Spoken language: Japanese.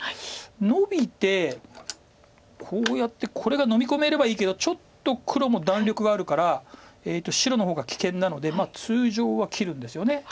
ノビてこうやってこれがのみ込めればいいけどちょっと黒も弾力があるから白の方が危険なので通常は切るんですよね。